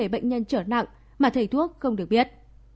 bảy bệnh nhân trở nặng mà thầy thuốc không được biết